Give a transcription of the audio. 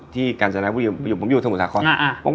ที่การสนับบุญอยู่ผมอยู่ที่สมุทรศาสตร์ครอบครับอ่าอ่า